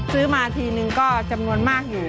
ซื้อมาทีนึงก็จำนวนมากอยู่